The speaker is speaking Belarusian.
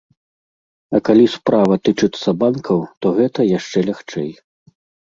А калі справа тычыцца банкаў, то гэта яшчэ лягчэй.